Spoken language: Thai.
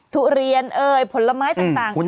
ทุเรียนเอ่ยผลไม้ต่าง